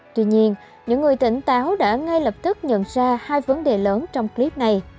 tuy nhiên những người tỉnh táo đã ngay lập tức nhận ra hai vấn đề lớn trong clip này